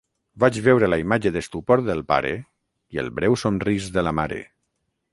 Vaig veure la imatge d'estupor del pare i el breu somrís de la mare.